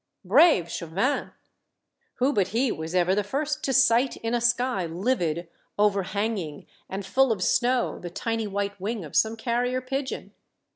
Brave Chauvin ! Who but he was ever the first to sight in a sky livid, overhanging, and full of snow, the tiny white wing of some carrier pigeon